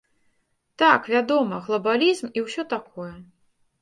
Так, вядома, глабалізм і ўсё такое.